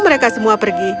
mereka semua pergi